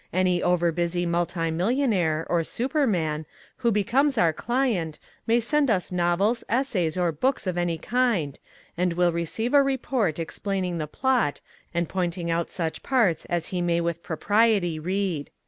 Any over busy multimillionaire, or superman, who becomes our client may send us novels, essays, or books of any kind, and will receive a report explaining the plot and pointing out such parts as he may with propriety read.